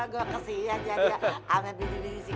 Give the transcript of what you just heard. gue kesian jadi amat berdiri di sini